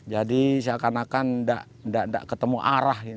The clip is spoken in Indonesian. jadi seakan akan gak ketemu arah